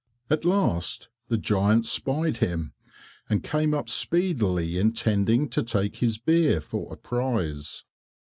At last the giant spied him, and came up speedily, intending to take his beer for a prize.